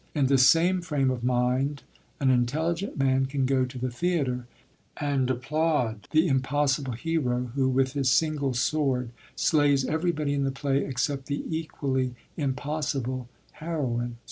In this same frame of mind an intelligent man can go to the theatre and applaud the impossible hero, who with his single sword slays everybody in the play except the equally impossible heroine.